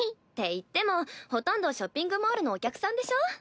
っていってもほとんどショッピングモールのお客さんでしょ？